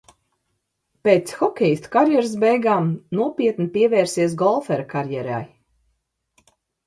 Pēc hokejista karjeras beigām nopietni pievērsies golfera karjerai.